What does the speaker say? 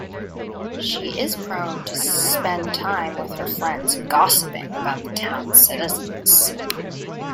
She is prone to spend time with her friends gossiping about the town's citizens.